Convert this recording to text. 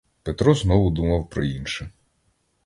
Петро знову думав про інше.